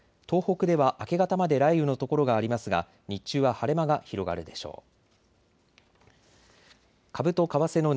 東北では明け方まで雷雨の所がありますが日中は晴れ間が広がるでしょう。